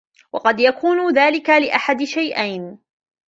وَقَدْ يَكُونُ ذَلِكَ لِأَحَدِ شَيْئَيْنِ